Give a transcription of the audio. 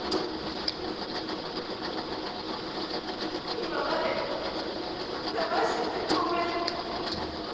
今までだましててごめん。